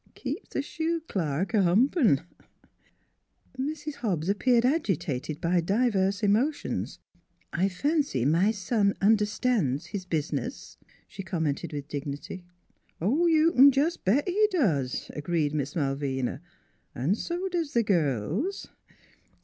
Keeps th' shoe clerk a humpin'." 174 NEIGHBORS Mrs. Hobbs appeared agitated by diverse emo tions. " I fancy my son understands his business," she commented with dignity. " You c'n jes' bet he does," agreed Miss Mal vina, " 'n' so does th' girls.